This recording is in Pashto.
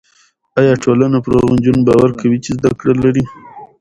ایا ټولنه پر هغو نجونو باور کوي چې زده کړه لري؟